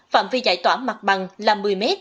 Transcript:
phạm vi giải tỏa mặt bằng là một mươi m